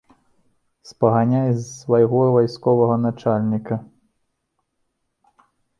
Спаганяй з свайго вайсковага начальніка.